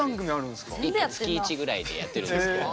月１ぐらいでやってるんですけど。